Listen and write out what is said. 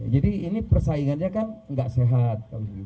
jadi ini persaingannya kan tidak sehat